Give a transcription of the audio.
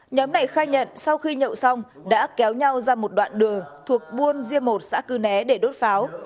nhóm này khai nhận sau khi nhậu xong đã kéo nhau ra một đoạn đường thuộc buôn diê một xã cư né để đốt pháo